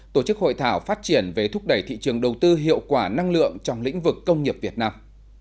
tổ chức hội thảo phát triển về thúc đẩy thị trường đầu tư hiệu quả năng lượng trong lĩnh vực công nghiệp việt nam